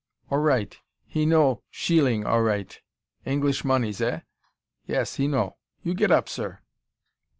"Orright. He know sheeling orright. English moneys, eh? Yes, he know. You get up, sir."